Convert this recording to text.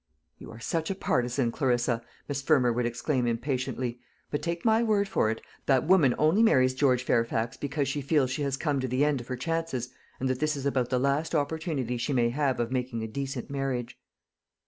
"You are such a partisan, Clarissa," Miss Fermor would exclaim impatiently; "but take my word for it, that woman only marries George Fairfax because she feels she has come to the end of her chances, and that this is about the last opportunity she may have of making a decent marriage."